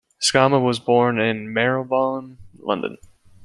Schama was born in Marylebone, London.